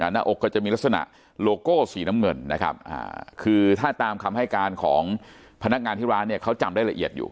หน้าอกก็จะมีลักษณะโลโก้สีน้ำเงินนะครับคือถ้าตามคำให้การของพนักงานที่ร้านเนี่ยเขาจำได้ละเอียดอยู่